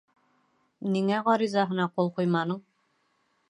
Ниңә ғаризаһына ҡул ҡуйманың?